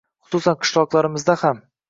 Xususan, qishloqlarimizda ham.